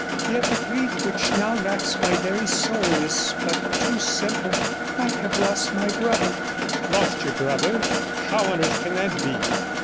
Yet the grief which now racks my very soul is but too simple; I have lost my brother.' 'Lost your brother! How on earth can that be?'